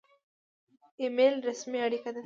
ایمیل رسمي اړیکه ده